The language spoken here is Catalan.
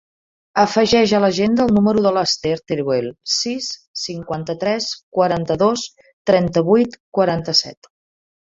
Afegeix a l'agenda el número de l'Esther Teruel: sis, cinquanta-tres, quaranta-dos, trenta-vuit, quaranta-set.